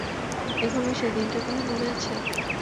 এখনও সে দিনটার কথা মনে আছে!